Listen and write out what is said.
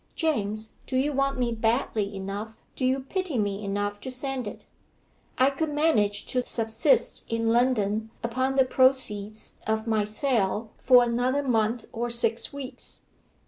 James, do you want me badly enough do you pity me enough to send it? I could manage to subsist in London upon the proceeds of my sale for another month or six weeks.